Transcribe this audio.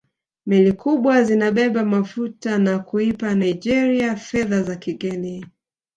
Meli kubwa zinabeba mafuta na kuipa Naigeria fedha za kigeni